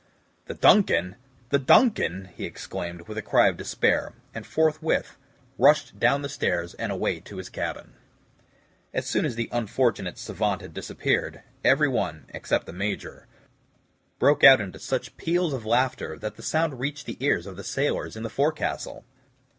"The DUNCAN! the DUNCAN!" he exclaimed, with a cry of despair, and forthwith rushed down the stairs, and away to his cabin. As soon as the unfortunate SAVANT had disappeared, every one, except the Major, broke out into such peals of laughter that the sound reached the ears of the sailors in the forecastle.